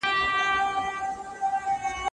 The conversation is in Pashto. د موسسې ساتونکي تورې عینکې په سترګو کړي دي.